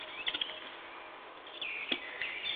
کله چي دسترخوان هوار سو خلګو څه راوړل؟